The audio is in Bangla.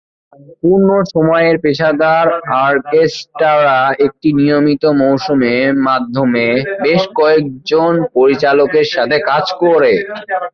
পূর্ণ-সময়ের পেশাদার অর্কেস্ট্রারা একটি নিয়মিত মৌসুমের মাধ্যমে বেশ কয়েকজন পরিচালকের সাথে কাজ করে।